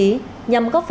thưa quý vị và các đồng chí